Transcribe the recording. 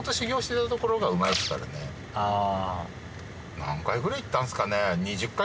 何回くらい行ったんすかね。